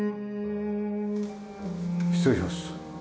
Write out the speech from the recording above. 失礼します。